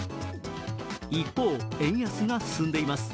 一方、円安が進んでいます。